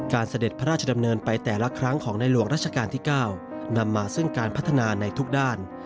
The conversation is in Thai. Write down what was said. เสด็จพระราชดำเนินไปแต่ละครั้งของในหลวงราชการที่๙นำมาซึ่งการพัฒนาในทุกด้าน